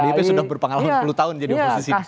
pdip sudah berpengalaman sepuluh tahun jadi oposisi